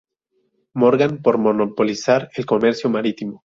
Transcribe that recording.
Morgan por monopolizar el comercio marítimo.